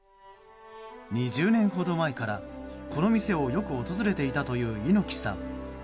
２０年ほど前からこの店をよく訪れていたという猪木さん。